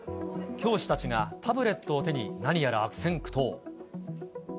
教師たちがタブレットを手に何やら悪戦苦闘。